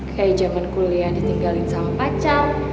kayak zaman kuliah ditinggalin sama pacar